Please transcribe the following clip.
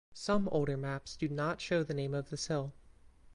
Some older maps do not show the name of this hill.